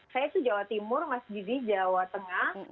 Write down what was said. saya itu jawa timur mbak didi jawa tengah